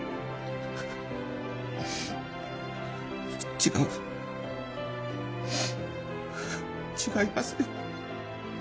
違う違いますよ。